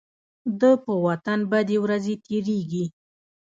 د په وطن بدې ورځې تيريږي.